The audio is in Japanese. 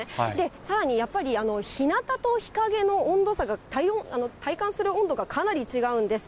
さらにやっぱり、日なたと日陰の温度差が、体感する温度がかなり違うんです。